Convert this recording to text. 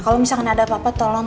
kalau misalkan ada apa apa tolong